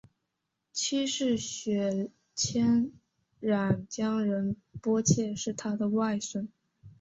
七世雪谦冉江仁波切是他的外孙。